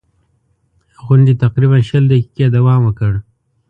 غونډې تقریباً شل دقیقې دوام وکړ.